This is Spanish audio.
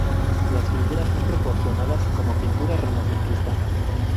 Las figuras son proporcionadas, como pintura renacentista.